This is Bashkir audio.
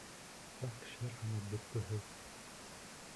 Саф кешеләр һанап бөткөһөҙ.